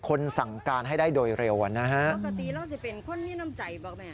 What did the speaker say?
คนสั่งการให้ได้โดยเร็วกว่านะฮะ